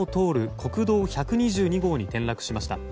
国道１２２号に転落しました。